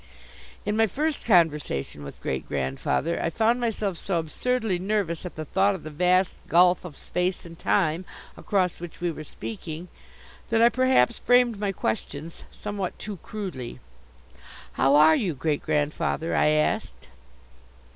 In my first conversation with Great grandfather, I found myself so absurdly nervous at the thought of the vast gulf of space and time across which we were speaking that I perhaps framed my questions somewhat too crudely. "How are you, great grandfather?" I asked.